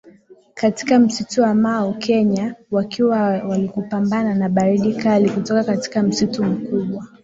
katika msitu wa Mau kenya Wakiwa walikupambana na baridi kali kutoka katika msitu Mkubwa